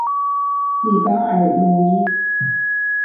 里巴尔鲁伊。